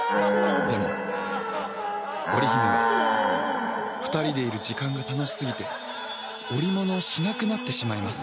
でも織姫は２人でいる時間が楽しすぎて織物をしなくなってしまいます。